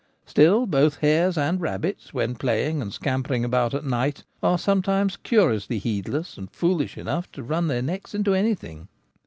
Still, both hares and rabbits, when playing and scampering about at night, are sometimes curiously heedless, and foolish enough to run their necks into anything.